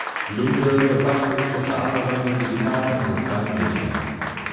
Lunde befasste sich unter anderem mit digitalen und sozialen Medien.